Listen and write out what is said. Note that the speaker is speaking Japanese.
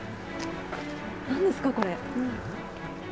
なんですか、これ。